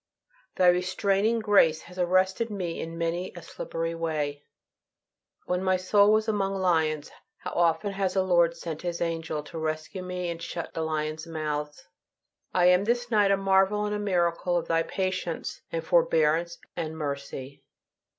Thy restraining grace has arrested me in many a slippery way; when "my soul was among lions," how often has the Lord "sent his angel" to rescue me and shut the lions' mouths. I am this night a marvel and miracle of Thy patience, and forbearance, and mercy.